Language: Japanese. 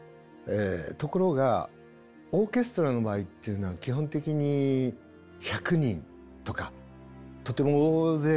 ところがオーケストラの場合っていうのは基本的に１００人とかとても大勢の人数になります。